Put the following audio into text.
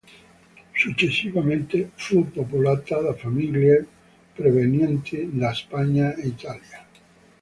Successivamente fu popolata da famiglie provenienti da Spagna e Italia.